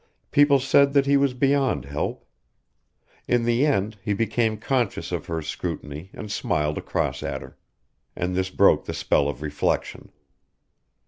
People said that he was beyond help. In the end he became conscious of her scrutiny and smiled across at her. And this broke the spell of reflection.